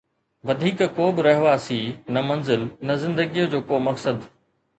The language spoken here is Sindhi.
وڌيڪ ڪو به رهواسي، نه منزل، نه زندگيءَ جو ڪو مقصد.